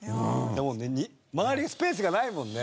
周りにスペースがないもんね。